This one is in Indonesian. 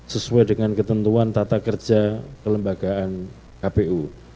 sesuai dengan ketentuan tata kerja kelembagaan kpu